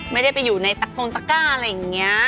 ไม่ได้ไปอยู่ในตะโกงตะก้าอะไรอย่างนี้